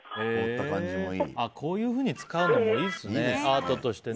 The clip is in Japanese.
こういうふうに使うのもいいね。